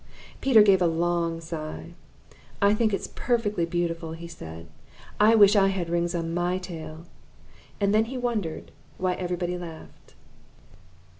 Peter gave a long sigh. "I think it's perfectly beautiful," he said. "I wish I had rings on my tail." And then he wondered why everybody laughed.